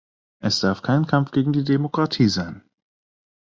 Es darf kein Kampf gegen die Demokratie sein.